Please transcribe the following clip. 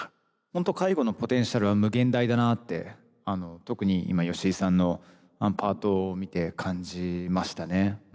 本当介護のポテンシャルは無限大だなって特に今吉井さんのパートを見て感じましたね。